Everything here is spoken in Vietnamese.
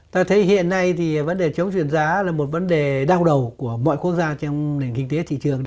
ta thấy hiện nay thì vấn đề chống chuyển giá là một vấn đề đau đầu của mọi quốc gia trong nền kinh tế thị trường